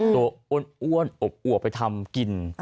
ตัวอ้วนอบไปทำกิน